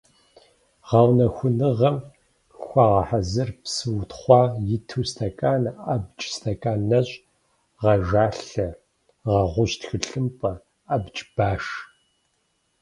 Гъэунэхуныгъэм хуэгъэхьэзыр псы утхъуа иту стэкан, абдж стэкан нэщӀ, гъэжалъэ, гъэгъущ тхылъымпӀэ, абдж баш.